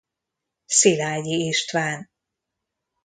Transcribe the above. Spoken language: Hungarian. Szilágyi István